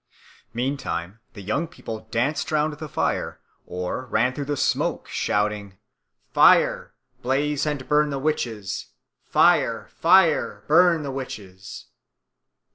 Meantime the young people danced round the fire or ran through the smoke shouting, "Fire! blaze and burn the witches; fire! fire! burn the witches."